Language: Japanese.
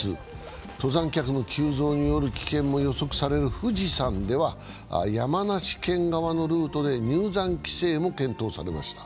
登山客の急増による危険も予測される富士山では山梨県側のルートで入山規制も検討されました。